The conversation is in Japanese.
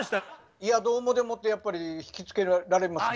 「いやどうも」でもってやっぱり引き付けられました。